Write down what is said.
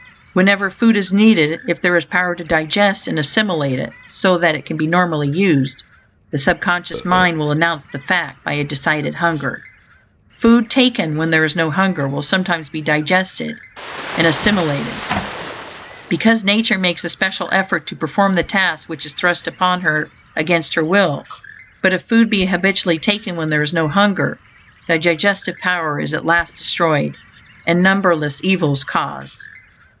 Whenever food is needed, if there is power to digest and assimilate it, so that it can be normally used, the sub conscious mind will announce the fact by a decided hunger. Food, taken when there is no hunger, will sometimes be digested and assimilated, because Nature makes a special effort to perform the task which is thrust upon her against her will; but if food be habitually taken when there is no hunger, the digestive power is at last destroyed, and numberless evils caused.